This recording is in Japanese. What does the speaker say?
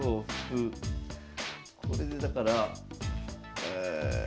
これでだからえ。